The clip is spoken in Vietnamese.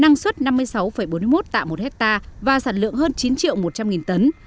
năng suất năm mươi sáu bốn mươi một tạ một hectare và sản lượng hơn chín triệu một trăm linh nghìn tấn